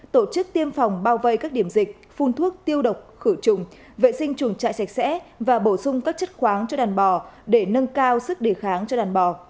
tổ chức tiêm phòng bao vây các điểm dịch phun thuốc tiêu độc khử trùng vệ sinh chuồng trại sạch sẽ và bổ sung các chất khoáng cho đàn bò để nâng cao sức đề kháng cho đàn bò